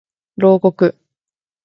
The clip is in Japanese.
牢獄